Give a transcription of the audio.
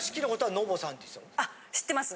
あっ知ってます！